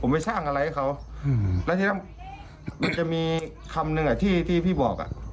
ไปช่างอะไรเขาแล้วทีนั้นจะมีคำหนึ่งอ่ะที่พี่บอก